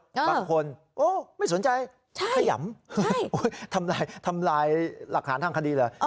บางคนไม่สนใจขยำทำลายหลักฐานทางคดีเหรอ